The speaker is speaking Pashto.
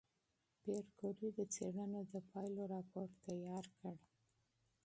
پېیر کوري د څېړنو د پایلو راپور چمتو کړ.